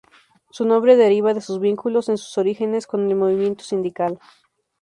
Su nombre deriva de sus vínculos en sus orígenes con el movimiento sindical.